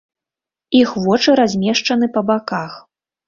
Іх вочы размешчаны па баках.